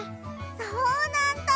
そうなんだ！